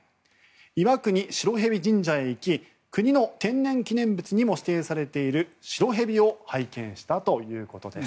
岩國白蛇神社へ行き国の天然記念物にも指定されている白蛇を拝見したということです。